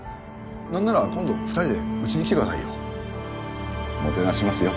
何なら今度２人でうちに来てくださいよ。